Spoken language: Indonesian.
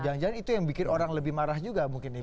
jangan jangan itu yang bikin orang lebih marah juga mungkin ini